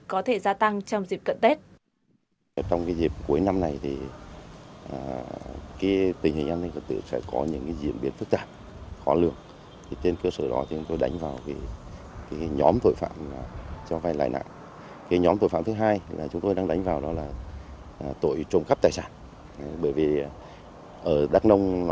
có thể gia tăng trong dịp cận tết